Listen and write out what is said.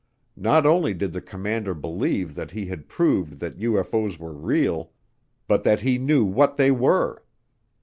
Not only did the commander believe that he had proved that UFO's were real but that he knew what they were.